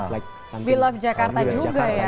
we love jakarta juga ya